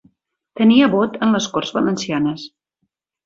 Tenia vot en les Corts Valencianes.